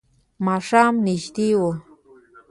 ماښام نژدې و.